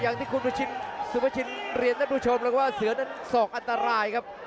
อย่างที่คุณสุภาชินเรียนท่านผู้ชมแล้วว่าเสือนั้นศอกอันตรายครับ